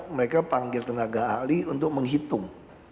mereka panggil tenaga ahli untuk menghitung